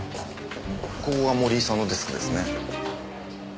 ここが森井さんのデスクですね。